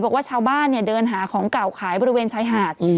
บอกว่าชาวบ้านเนี่ยเดินหาของเก่าขายบริเวณชายหาด